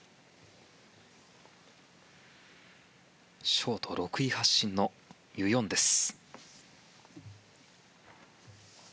ショート６位発進のユ・ヨンです。